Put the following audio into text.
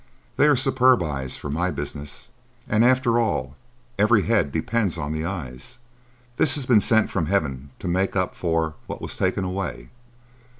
"They are superb eyes for my business. And, after all, every head depends on the eyes. This has been sent from heaven to make up for—what was taken away.